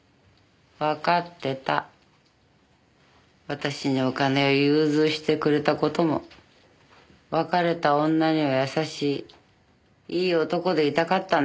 私にお金を融通してくれた事も別れた女にも優しいいい男でいたかったんでしょ？